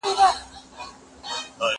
زه بايد سينه سپين وکړم.